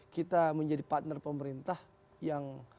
kita menjadi partner pemerintah yang